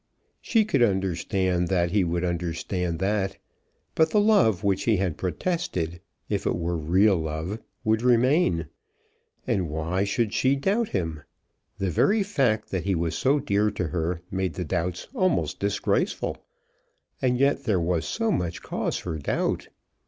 She could understand that he would understand that. But the love which he had protested, if it were real love, would remain. And why should she doubt him? The very fact that he was so dear to her, made such doubts almost disgraceful. And yet there was so much cause for doubt.